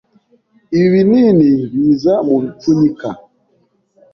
Ibi binini biza mubipfunyika.